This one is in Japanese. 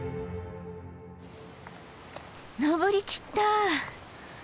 登りきったぁ！